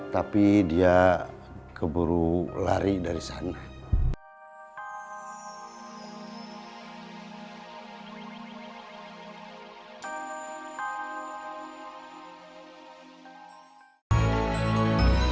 tapi dia keburu lari dari sana